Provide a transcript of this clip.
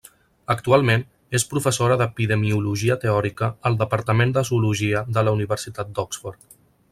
Actualment és professora d'epidemiologia teòrica al departament de zoologia de la Universitat d'Oxford.